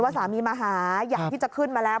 สามีมาหาอยากที่จะขึ้นมาแล้ว